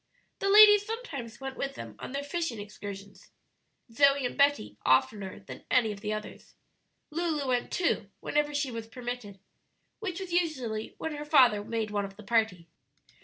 The ladies sometimes went with them on their fishing excursions; Zoe and Betty oftener than any of the others. Lulu went, too, whenever she was permitted, which was usually when her father made one of the party.